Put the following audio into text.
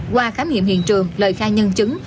qua khám nghiệm hiện trường lời khai nhân chứng